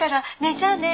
じゃあね。